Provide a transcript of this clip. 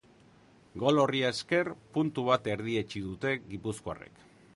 Gol horri esker, puntu bat erdietsi dute gipuzkoarrek.